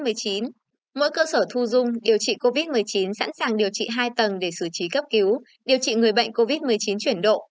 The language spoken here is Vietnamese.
mỗi cơ sở thu dung điều trị covid một mươi chín sẵn sàng điều trị hai tầng để xử trí cấp cứu điều trị người bệnh covid một mươi chín chuyển độ